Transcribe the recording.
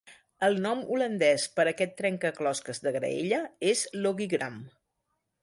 El nom holandès per a aquest trencaclosques de graella és "logigram"